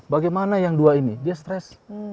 bagaimana yang dua ini dia stres